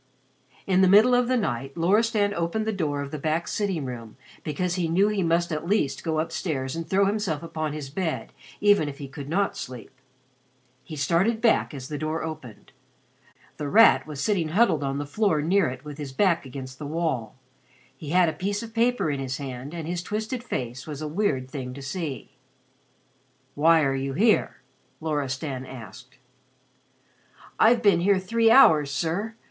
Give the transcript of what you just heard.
In the middle of the night Loristan opened the door of the back sitting room, because he knew he must at least go upstairs and throw himself upon his bed even if he could not sleep. He started back as the door opened. The Rat was sitting huddled on the floor near it with his back against the wall. He had a piece of paper in his hand and his twisted face was a weird thing to see. "Why are you here?" Loristan asked. "I've been here three hours, sir.